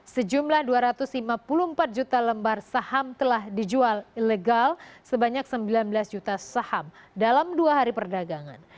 sejumlah dua ratus lima puluh empat juta lembar saham telah dijual ilegal sebanyak sembilan belas juta saham dalam dua hari perdagangan